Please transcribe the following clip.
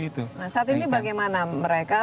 nah saat ini bagaimana mereka